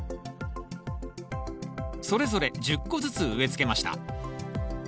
それぞれ１０個ずつ植えつけました。